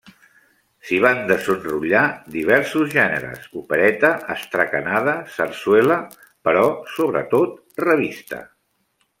S'hi van desenrotllar diversos gèneres: opereta, astracanada, sarsuela però sobretot revista.